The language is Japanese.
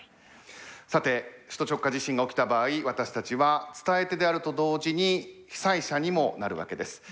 さて首都直下地震が起きた場合私たちは伝え手であると同時に被災者にもなるわけです。